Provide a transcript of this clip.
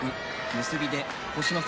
結びで星の差